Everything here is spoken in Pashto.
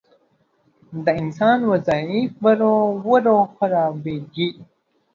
د انسان وضعیت ورو، ورو خرابېږي.